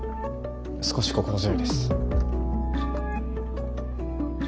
少し心強いです。